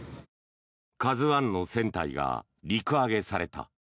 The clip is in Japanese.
「ＫＡＺＵ１」の船体が陸揚げされた。